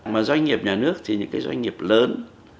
mà doanh nghiệp nhà nước thì những cái doanh nghiệp lớn